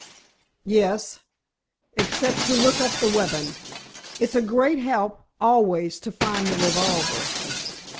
"Yes, except to look up the weapon. It's a great help, always, to find the revolver."